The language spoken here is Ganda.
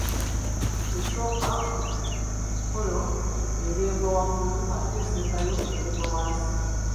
Esooka ku kikolo ereegerwa waggulu ate esembayo n’ereegerwa wansi